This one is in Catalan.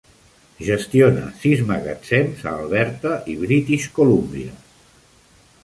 Gestiona sis magatzems a Alberta i British Columbia.